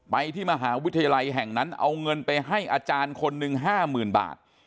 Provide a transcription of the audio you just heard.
ไปที่มหาวิทยาลัยแห่งนั้นเอาเงินไปให้อาจารย์คนหนึ่ง๕๐๐๐บาท